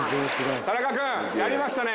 田中君やりましたね。